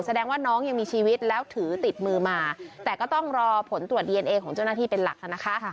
แสดงว่าน้องยังมีชีวิตแล้วถือติดมือมาแต่ก็ต้องรอผลตรวจดีเอนเอของเจ้าหน้าที่เป็นหลักนะคะ